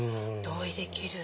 同意できる。